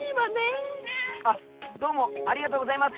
あっどうもありがとうございます！